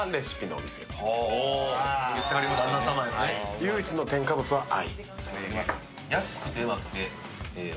唯一の添加物は愛。